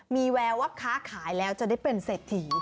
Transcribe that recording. มีแววว่าค้าขายแล้วจะได้เป็นเศรษฐี